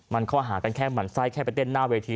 มันข้อหากันแค่หมั่นไส้แค่ไปเต้นหน้าเวที